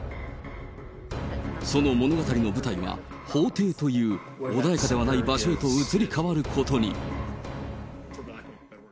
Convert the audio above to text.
その物語の舞台は、法廷という穏やかではない場所へと移り変わることに。